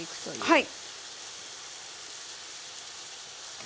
はい。